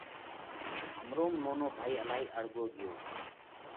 همروم نونو ڀائي الهائِي اۯڳو ڳيو